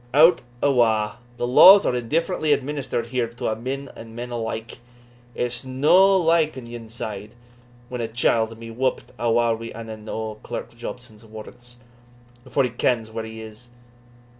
Hout awa! the laws are indifferently administered here to a' men alike; it's no like on yon side, when a chield may be whuppit awa' wi' ane o' Clerk Jobson's warrants, afore he kens where he is.